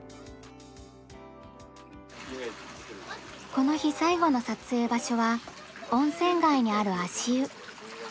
この日最後の撮影場所は温泉街にある足湯。